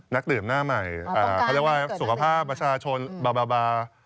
นักดื่มหน้าใหม่เขาเรียกว่าสุขภาพประชาชนบาบา